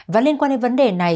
và liên quan đến vấn đề này